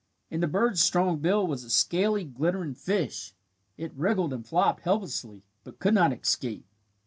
In the bird's strong bill was a scaly, glittering fish. It wriggled and flopped helplessly, but could not escape.